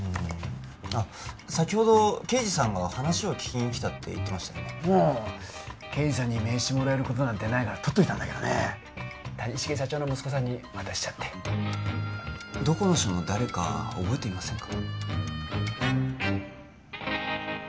あッ先ほど「刑事さんが話を聞きに来た」と刑事さんに名刺もらえるなんてないから取っといたけど谷繁社長の息子さんに渡しちゃってどこの署の誰か覚えていませんか？